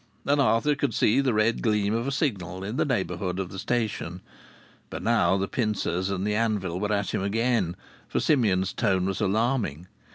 And Arthur could see the red gleam of a signal in the neighbourhood of the station. But now the pincers and the anvil were at him again, for Simeon's tone was alarming.